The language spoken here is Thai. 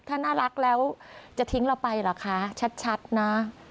ถ้าน่ารักแล้วจะทิ้งเราไปเหรอคะชัดนะ